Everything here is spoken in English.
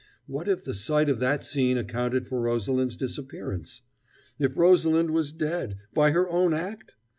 What if the sight of that scene accounted for Rosalind's disappearance? If Rosalind was dead by her own act?